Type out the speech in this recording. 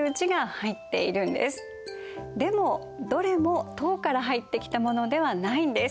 でもどれも唐から入ってきたものではないんです。